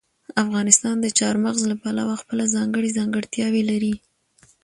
افغانستان د چار مغز له پلوه خپله ځانګړې ځانګړتیاوې لري.